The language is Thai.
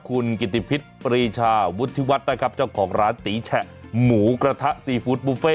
คุณกิติพิษปรีชาวุฒิวัฒน์นะครับเจ้าของร้านตีแฉะหมูกระทะซีฟู้ดบุฟเฟ่